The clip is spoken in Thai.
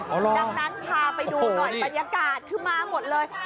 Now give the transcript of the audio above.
ดังนั้นพาไปดูหน่อยบรรยากาศคือมาหมดเลย